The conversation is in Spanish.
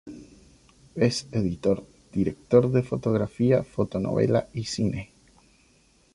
Es editor, director de fotografía, fotonovela y cine.